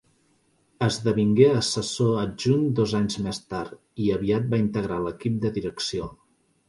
Esdevingué assessor adjunt dos anys més tard, i aviat va integrar l'equip de direcció.